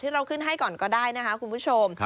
เราขึ้นให้ก่อนก็ได้นะคะคุณผู้ชม